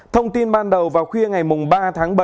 thông tin ban đầu vào khuya ngày ba tháng bảy